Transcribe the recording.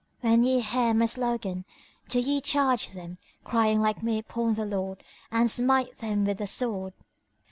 When ye hear my slogan, do ye charge them, crying like me upon the Lord, and smite them with the sword."